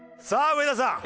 上田さん。